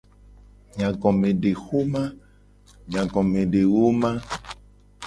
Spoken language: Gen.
Nyagomedexoma.